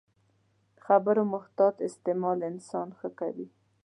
د خبرو محتاط استعمال انسان ښه کوي